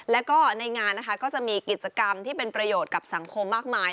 แล้วก็ในงานนะคะก็จะมีกิจกรรมที่เป็นประโยชน์กับสังคมมากมาย